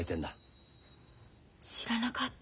知らなかった。